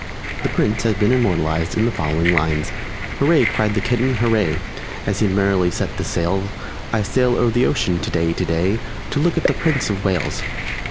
The Prince has been immortalized in the following lines: "Hurray!" cried the Kitten, "Hurray!" As he merrily set the sails, "I sail o'er the ocean today, today, _To look at the Prince of Wales!"